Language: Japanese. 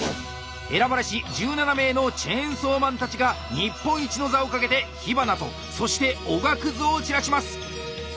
選ばれし１７名のチェーンソーマンたちが日本一の座をかけて火花とそしておがくずを散らします！